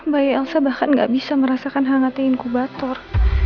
bayi elsa bahkan gak bisa merasakan hangatnya inkubator